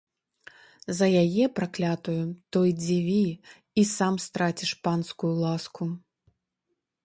За яе, праклятую, то й дзіві, і сам страціш панскую ласку.